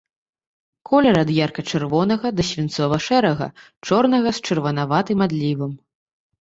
Колер ад ярка-чырвонага да свінцова-шэрага, чорнага з чырванаватым адлівам.